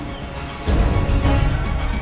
berikan kitab tersebut